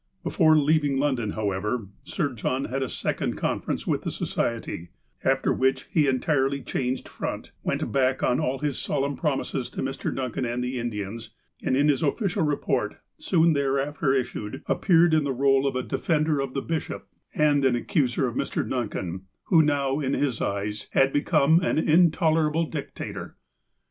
Before leaving London, however. Sir John had a second conference with the Society, after which he entirely changed front, went back on all his solemn promises to Mr. Duncan and the Indians, and in his official report, soon thereafter issued, appeared in the role of a defender 282 THE APOSTLE OF ALASKA of the bishop, and of an accuser of Mr. Duncan, who now in his eyes had become an "intolerable dictator."